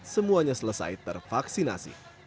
semuanya selesai tervaksinasi